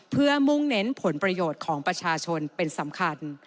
เพื่อมุ่งเน้นผลประโยชน์ของประชาชนเป็นสำคัญ